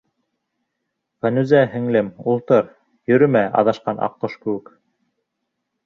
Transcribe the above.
Фәнүзә, һеңлем, ултыр, йөрөмә аҙашҡан аҡҡош кеүек.